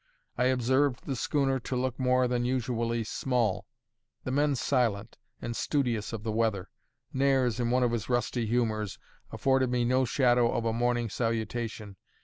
I observed the schooner to look more than usually small, the men silent and studious of the weather. Nares, in one of his rusty humours, afforded me no shadow of a morning salutation.